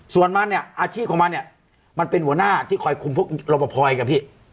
ส่วนมันเนี่ยอาชีพของมันเนี่ยมันเป็นหัวหน้าที่คอยคุมพวกรอปภเองพี่